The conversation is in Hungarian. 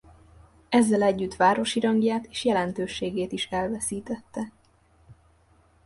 Ezzel együtt városi rangját és jelentőségét is elveszítette.